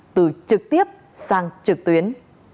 từ trực tiếp sang trực tuyến